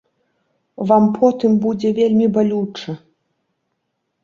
Вам потым будзе вельмі балюча.